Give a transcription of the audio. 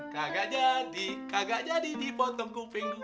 kagak jadi kagak jadi dipotong kuping gue